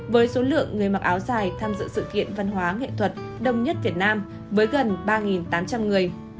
với số lượng người mặc áo dài tham dự sự kiện văn hóa nghệ thuật đông nhất việt nam với gần ba tám trăm linh người